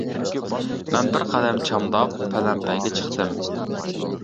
مەن بىر قەدەم چامداپ پەلەمپەيگە چىقتىم.